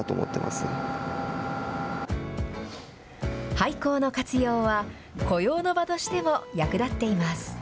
廃校の活用は雇用の場としても役立っています。